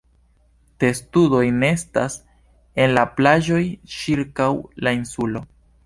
Testudoj nestas en la plaĝoj ĉirkaŭ la insulo.